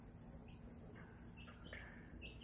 凉荫丛站的一座地铁站。